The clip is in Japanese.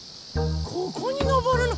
ここにのぼるの？